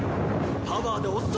パワーで押すぞ！